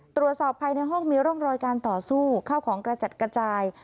ตรวจสอบภายในห้องมีร่องรอยการต่อสู้ข้าวของกระจัดกระจาย